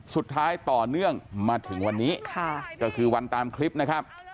ต่อเนื่องมาถึงวันนี้ก็คือวันตามคลิปนะครับ